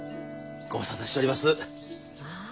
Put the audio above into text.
ご無沙汰しちょります。